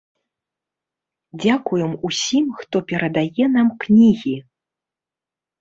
Дзякуем усім хто перадае нам кнігі!